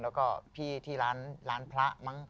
แล้วก็พี่ที่ร้านพระมั้ง